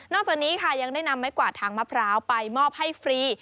จากนี้ค่ะยังได้นำไม้กวาดทางมะพร้าวไปมอบให้ฟรี